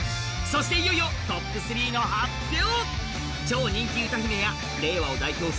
そしていよいよトップ３の発表。